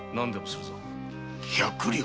百両！？